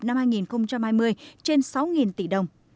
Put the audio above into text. năm hai nghìn hai mươi trên sáu tỷ đồng